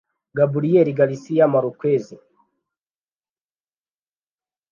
gabriel garcia marquez